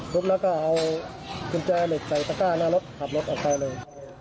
ปุ๊บแล้วก็เอากุญแจเหล็กใส่ตะก้าหน้ารถขับรถออกไปเลย